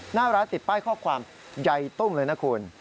หน้าร้านติดป้ายข้อความใยตุ้มเลยนะคุณ